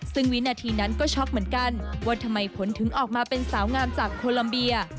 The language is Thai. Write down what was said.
ซึ่งวินาทีนั้นก็ช็อกเหมือนกันว่าทำไมผลถึงออกมาเป็นสาวงามจากโคลัมเบีย